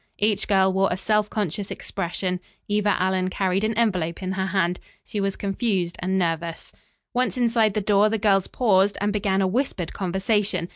Each girl wore a self conscious expression. Eva Allen carried an envelope in her hand. She was confused and nervous. Once inside the door the girls paused and began a whispered conversation.